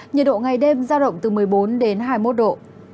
nhiệt độ ngày đêm giao động từ một mươi bốn đến hai mươi một độ